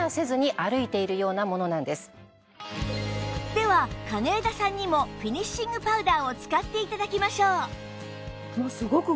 では金枝さんにもフィニッシングパウダーを使って頂きましょう